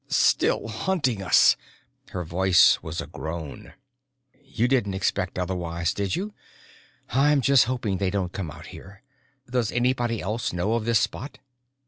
"Still hunting us!" Her voice was a groan. "You didn't expect otherwise, did you? I'm just hoping they don't come out here. Does anybody else know of this spot?"